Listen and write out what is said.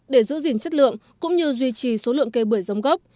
để giữ gìn chất lượng cũng như duy trì số lượng cây bưởi giống gốc